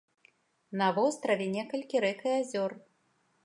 На востраве некалькі рэк і азёр.